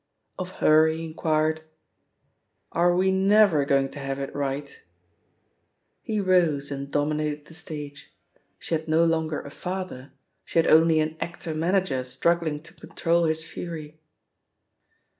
Of her he inquired, "Are we never going to have it right?" He rose, and dominated the stage — she had no longer a "father," she had only an actor manager struggling to control his fury.